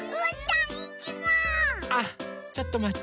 ちょっとまって。